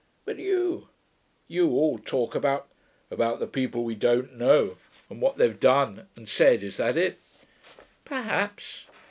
But you ... you all talk about....' 'About the people we don't know, and what they've done and said. Is that it?' 'Perhaps.